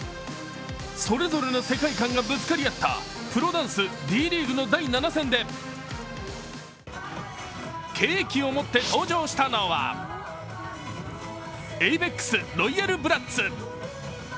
それぞれの世界観がぶつかり合ったプロダンス・Ｄリーグの第７戦でケーキを持って登場したのはａｖｅｘＲＯＹＡＬＢＲＡＴＳ。